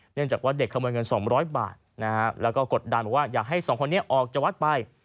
เนื่องจากว่าเด็กขโมยเงิน๒๐๐บาทนะฮะแล้วก็กดดันบอกว่าอยากให้สองคนนี้ออกจากวัดไป